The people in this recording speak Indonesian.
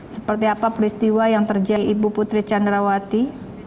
seperti apa peristiwa yang terjadi ibu putri candrawati